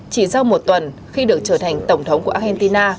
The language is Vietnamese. chỉ sau một tuần khi được trở thành tổng thống của argentina